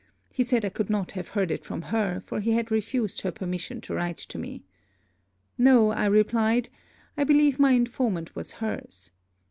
He said I could not have heard it from her, for he had refused her permission to write to me. 'No,' I replied, 'I believe my informant was her's.'